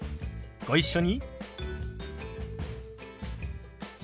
ご一緒に。